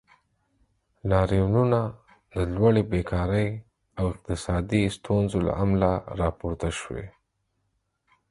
لاریونونه د لوړې بیکارۍ او اقتصادي ستونزو له امله راپورته شوي.